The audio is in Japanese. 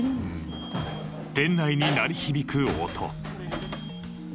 店内に鳴り響く音。